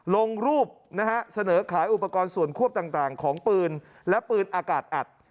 ลงรูปนะฮะเสนอขายอุปกรณ์ส่วนควบต่างของปืนและปืนอากาศอัด